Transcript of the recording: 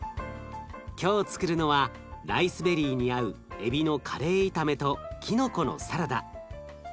今日つくるのはライスベリーに合うえびのカレー炒めときのこのサラダ。